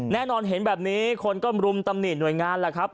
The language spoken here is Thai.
แน่นอนเห็นแบบนี้คนก็หมานิดหน่วยงานนะครับ